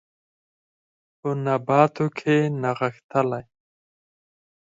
په نباتو کې نغښتلي